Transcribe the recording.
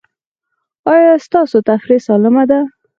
ایا ستاسو تفریح سالمه ده؟